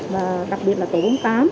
và đặc biệt là tổ quốc tám